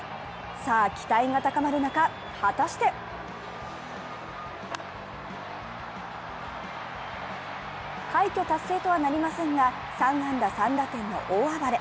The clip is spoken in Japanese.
さあ、期待が高まる中、果たして快挙達成とはなりませんが３安打３打点の大暴れ。